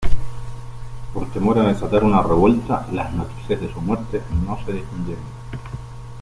Por temor a desatar una revuelta, las noticias de su muerte no se difundieron.